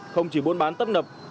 không chỉ buôn bán tấp nập